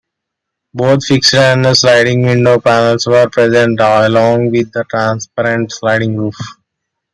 Both fixed and sliding window panels were present, along with a transparent sliding roof.